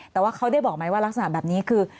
คุณหมอได้บอกไหมว่ารักษณะแบบนี้คือ